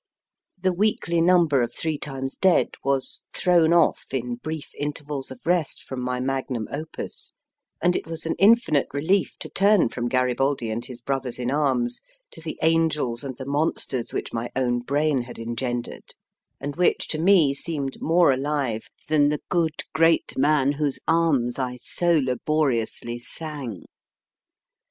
The weekly number of Three Times Dead was thrown off in brief intervals of rest from my magnum opus, and it was an infinite relief to turn from Garibaldi and his brothers in arms to the angels and the monsters which my own brain had engendered, and which to me seemed more alive than the good great man whose arms I so laboriously sang.